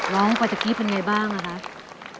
ร้องกว่าเจ้ากี้เป็นยังไงบ้างนะคะ